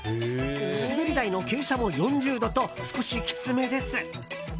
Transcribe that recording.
滑り台の傾斜も４０度と少しきつめです。